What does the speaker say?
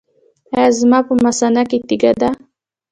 ایا زما په مثانه کې تیږه ده؟